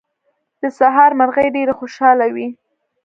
د سهار مرغۍ ډېرې خوشاله وې.